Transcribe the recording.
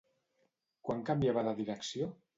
Quan canviava de direcció?